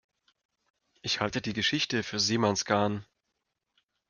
Ich halte die Geschichte für Seemannsgarn.